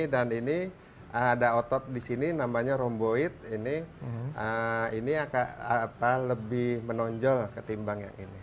dan ini ada otot di sini namanya rhomboid ini lebih menonjol ketimbang yang ini